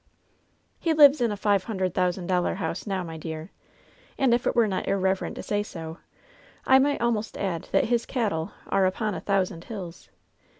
^^e lives in a five hundred thousand dollar house now, my dear, and if it were not irreverent to say so, I might almost add that his 'cattle' are 'upon a thousand hills.'